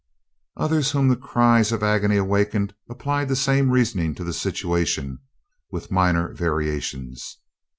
Others whom the cries of agony awakened applied the same reasoning to the situation, with minor variations.